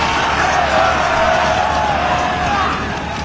お！